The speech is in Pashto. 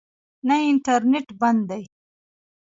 نه، انټرنېټ بند دی